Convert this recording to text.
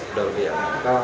udah lebih aman